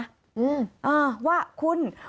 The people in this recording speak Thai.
อ้าวว่าคุณ